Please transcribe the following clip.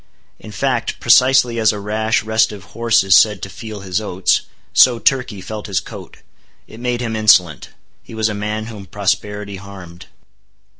In fact, precisely as a rash, restive horse is said to feel his oats, so Turkey felt his coat. It made him insolent. He was a man whom prosperity harmed.